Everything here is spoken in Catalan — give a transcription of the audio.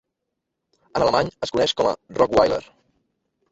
En alemany es coneix com a "Rokwiler".